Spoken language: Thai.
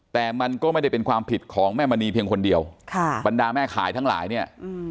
แต่มันก็ไม่ได้เป็นความผิดของแม่มณีเพียงคนเดียวค่ะบรรดาแม่ขายทั้งหลายเนี่ย